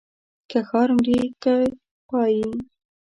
که ښار مرې که پايي.